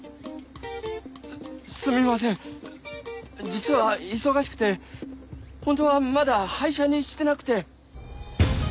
すみません実は忙しくて本当はまだ廃車にしてなくて。